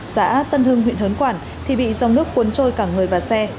xã tân hưng huyện hớn quảng thì bị dòng nước cuốn trôi cả người vào xe